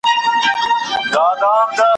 له هري تر بدخشانه ارغوان وي غوړېدلی ,